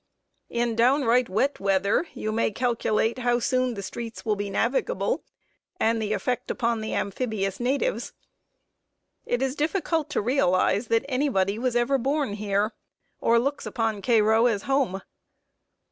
In downright wet weather you may calculate how soon the streets will be navigable, and the effect upon the amphibious natives. It is difficult to realize that anybody was ever born here, or looks upon Cairo as home.